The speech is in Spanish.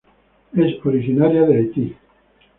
Es originaria de Haití.